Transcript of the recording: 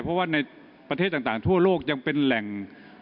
เพราะว่าในประเทศต่างทั่วโลกยังเป็นแหล่ง